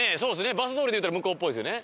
バス通りっていったら向こうっぽいですよね。